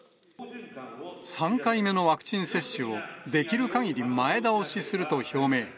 ３回目のワクチン接種をできるかぎり前倒しすると表明。